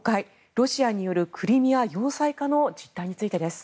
ロシアによるクリミア要塞化の実態についてです。